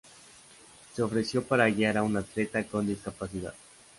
Se ofreció para guiar a un atleta con discapacidad.